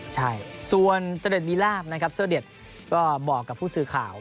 ใช่ส่วนเจอเด็ดนี้แล้วนะครับเจอเด็ดก็บอกกับผู้สื่อข่าว